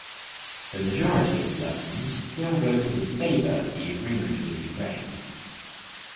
The majority of the government still voted in favor of the agreement with Ukraine.